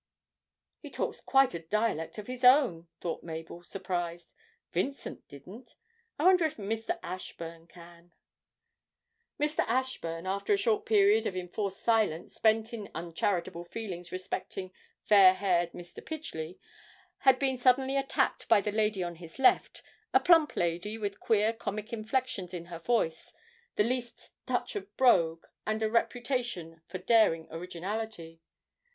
'He talks quite a dialect of his own,' thought Mabel surprised. 'Vincent didn't. I wonder if Mr. Ashburn can.' Mr. Ashburn, after a short period of enforced silence spent in uncharitable feelings respecting fair haired Mr. Pidgely, had been suddenly attacked by the lady on his left, a plump lady with queer comic inflections in her voice, the least touch of brogue, and a reputation for daring originality.